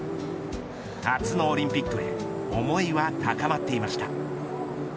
初のオリンピックへ思いは高まっていました。